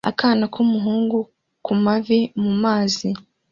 Akana k'umuhungu kumavi-mumazi